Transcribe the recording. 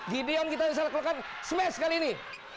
gideon kita bisa lelekan smash kali ini